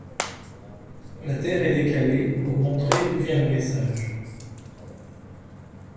La Terre est décalée pour montrer d’où vient le message.